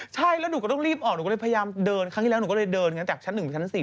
ใช่แล้วหนูก็ต้องรีบออกหนูก็เลยพยายามเดินครั้งที่แล้วหนูก็เลยเดินจากชั้น๑ไปชั้น๔